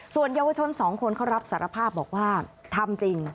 ส่วนเยาวชนสองคนเขารับสารภาพบอกว่าทำจริง